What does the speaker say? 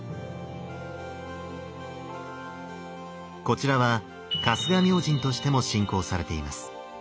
こちらは春日明神としても信仰されています。